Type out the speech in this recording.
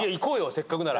せっかくなら。